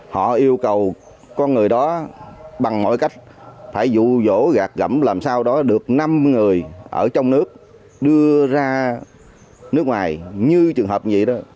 họ yêu cầu con người đó bằng mọi cách phải dụ dỗ gạt gẩm làm sao đó được năm người ở trong nước đưa ra nước ngoài như trường hợp gì đó